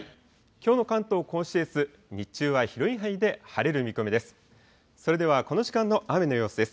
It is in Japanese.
きょうの関東甲信越、日中は広い範囲で晴れる見込みです。